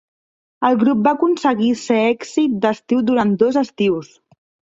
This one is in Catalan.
El grup va aconseguir ser èxit d'estiu durant dos estius.